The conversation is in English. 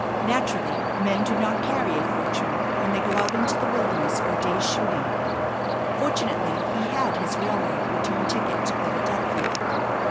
Naturally men do not carry a fortune when they go out into the wilderness for a day's shooting. Fortunately he had his railroad return ticket to Philadelphia.